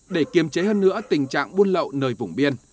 để kiềm chế hơn nữa tình trạng buôn lậu nơi vùng biên